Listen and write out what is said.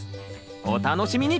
お楽しみに！